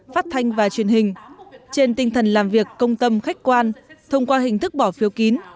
phát thanh và truyền hình trên tinh thần làm việc công tâm khách quan thông qua hình thức bỏ phiếu kín